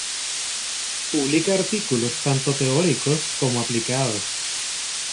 Publica artículos tanto teóricos como aplicados.